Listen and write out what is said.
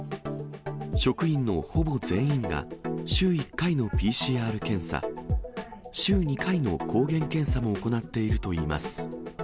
職員のほぼ全員が週１回のＰＣＲ検査、週２回の抗原検査も行っているといいます。